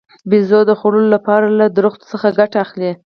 بیزو د خوړو لپاره له ونو څخه ګټه اخلي.